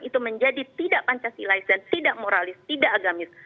itu menjadi tidak pancasilais dan tidak moralis tidak agamis